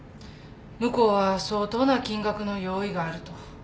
向こうは相当な金額の用意があると。